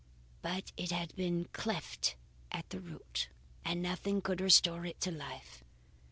But it had been cleft at the root, and nothing could restore it to life.